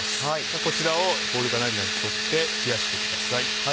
こちらをボウルか何かに取って冷やしてください。